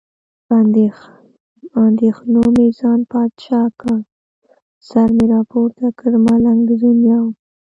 په اندېښنو مې ځان بادشاه کړ. سر مې راپورته کړ، ملنګ د دنیا ومه.